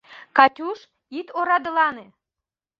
— Катюш, ит орадылане.